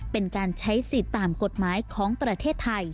เป็นการใช้สิทธิ์ตามกฎหมายของประเทศไทย